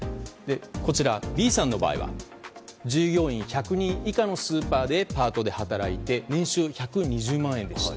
こちら、Ｂさんの場合従業員１００人以下のスーパーでパートで働いて年収１２０万円でした。